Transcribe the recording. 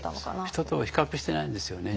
人と比較してないんですよね。